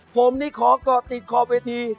ผมนี่ขอก็ติดคอบเวที